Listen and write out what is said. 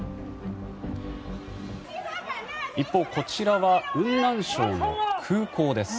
一方、こちらは雲南省の空港です。